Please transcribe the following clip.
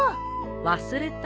忘れた？